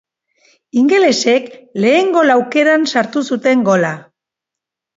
Ingelesek lehen gol aukaeran sartu zuten gola.